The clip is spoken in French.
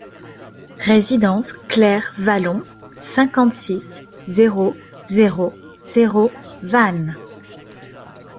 Résidence Clair Vallon, cinquante-six, zéro zéro zéro Vannes